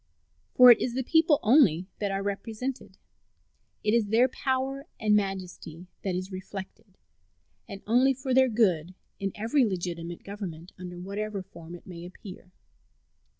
For it is the people only that are represented. It is their power and majesty that is reflected, and only for their good, in every legitimate government, under whatever form it may appear.